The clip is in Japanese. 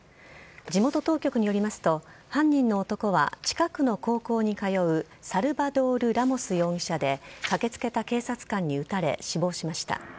地元当局によりますと犯人の男は近くの高校に通うサルバドール・ラモス容疑者で駆けつけた警察官に撃たれ死亡しました。